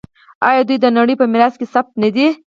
آیا دوی د نړۍ په میراث کې ثبت نه دي؟